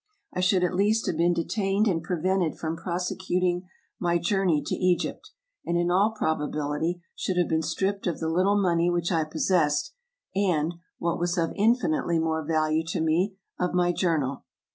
I should at least have been detained and prevented from prosecuting my journey to Egypt, and in all probability should have been stripped of the little money which I possessed, and, what was of infinitely more value to me, of my journal.